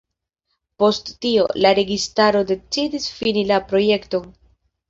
Post tio, la registaro decidis fini la projekton.